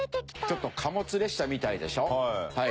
ちょっと貨物列車みたいでしょ？